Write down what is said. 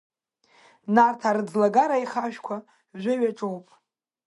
Нарҭаа рыӡлагара аихашәқәа жәаҩа ҿоуп.